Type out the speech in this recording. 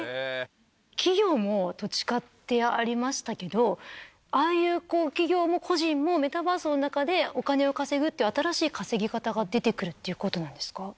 企業も土地買ってってありましたけど、ああいう、企業も個人もメタバースの中で、お金を稼ぐっていう新しい稼ぎ方が出てくるっていうことなんですか？